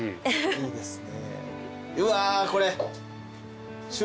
いいですね。